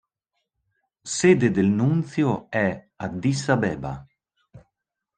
Sede del nunzio è Addis Abeba.